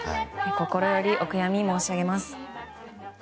心よりお悔やみ申し上げます。